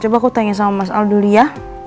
coba aku tanya sama mas al dulu ya